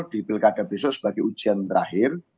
di pilkada besok sebagai ujian terakhir